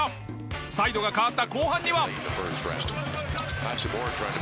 サイドが変わった後半には。